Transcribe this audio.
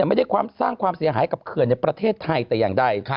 ไม่ได้สร้างความเสียหายกับเขื่อนในประเทศไทยแต่อย่างใด